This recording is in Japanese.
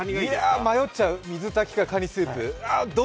迷っちゃう、水炊きかにスープ。